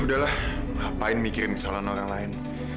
udahlah ngapain mikirin kesalahan orang lain